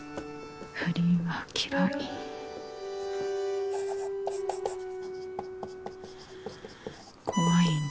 不倫は嫌い。